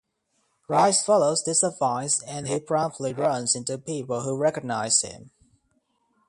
Rice follows this advice and he promptly runs into people who recognize him.